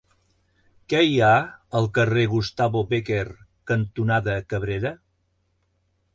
Què hi ha al carrer Gustavo Bécquer cantonada Cabrera?